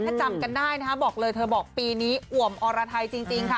ถ้าจำกันได้นะคะบอกเลยเธอบอกปีนี้อ่วมอรไทยจริงค่ะ